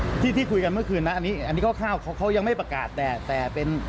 ที่ที่คุยกันเมื่อคืนนะอันนี้อันนี้คร่าวเขาเขายังไม่ประกาศแต่แต่เป็น